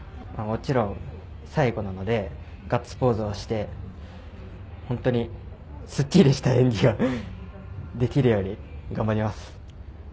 もちろん、最後なのでガッツポーズをして本当にすっきりした演技をできるように頑張ります。